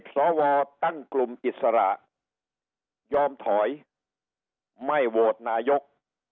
สวตั้งกลุ่มอิสระยอมถอยไม่โหวตนายก